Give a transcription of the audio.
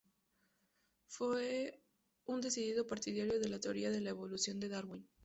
Fue un decidido partidario de la teoría de la evolución de Darwin.